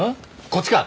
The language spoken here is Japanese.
こっちか？